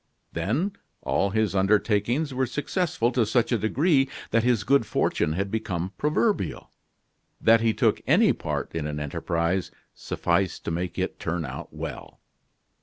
Then, all his undertakings were successful to such a degree that his good fortune had become proverbial. That he took any part in an enterprise, sufficed to make it turn out well.